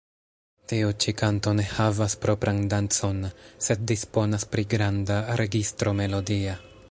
Tiu ĉi kanto ne havas propran dancon, sed disponas pri granda registro melodia.